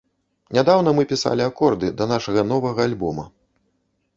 Нядаўна мы пісалі акорды да нашага новага альбома.